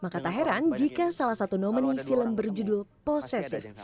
kata heran jika salah satu nomini film berjudul possessive